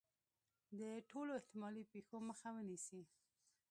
د ټولو احتمالي پېښو مخه ونیسي.